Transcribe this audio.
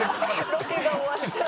ロケが終わっちゃう。